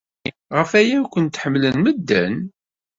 Ɣef waya ay kent-ḥemmlen medden.